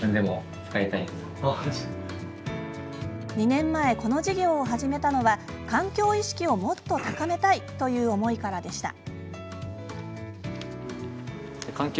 ２年前、この事業を始めたのは環境意識をもっと高めたいという思いからでした。